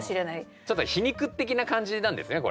ちょっと皮肉的な感じなんですね